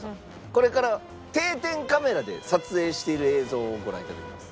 これから定点カメラで撮影している映像をご覧頂きます。